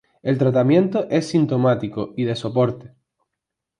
El tratamiento es sintomático y de soporte.